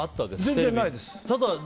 全然ないです。